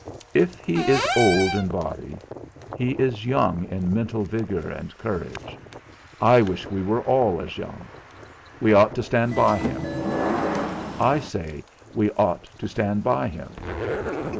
If he is old in body, he is young in mental vigour and courage. I wish we were all as young. We ought to stand by him; I say, we ought to stand by him."